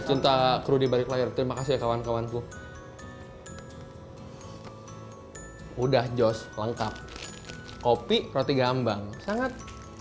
cinta kru di balik layar terima kasih kawan kawanku udah jos lengkap kopi roti gambang sangat